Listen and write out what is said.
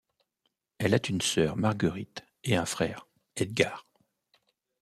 Elle a une sœur, Marguerite, et un frère, Edgar.